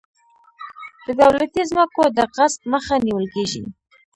د دولتي ځمکو د غصب مخه نیول کیږي.